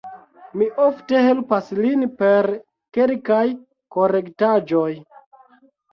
Mi ofte helpas lin per kelkaj korektaĵoj.